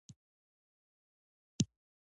ډګروال په پیل کې غوسه و خو وروسته حیران شو